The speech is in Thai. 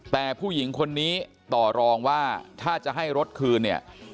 แต่ผู้หญิงคนนี้ต่อรองว่าถ้าจะให้รถคืนเนี่ย